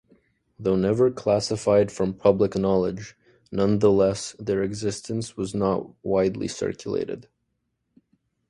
Though never classified from public knowledge, nonetheless their existence was not widely circulated.